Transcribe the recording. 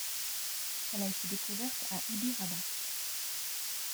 Elle a été découverte à Ibiraba.